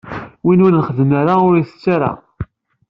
Win ur nxeddem ur itett ata!